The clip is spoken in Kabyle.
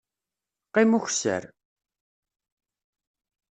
Qqim ukessar!